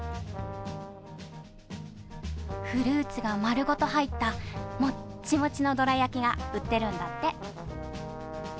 フルーツが丸ごと入ったもっちもちのどら焼きが売ってるんだって。